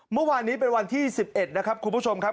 เมื่อวานนี้เป็นวันที่๑๑นะครับคุณผู้ชมครับ